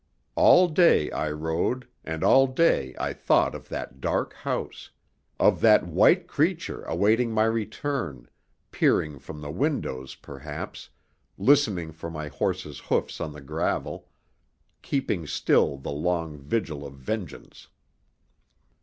All day I rode, and all day I thought of that dark house, of that white creature awaiting my return, peering from the windows, perhaps, listening for my horse's hoofs on the gravel, keeping still the long vigil of vengeance.